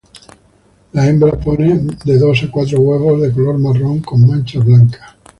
La hembra pone de dos a cuatro huevos de color marrón con manchas blancas.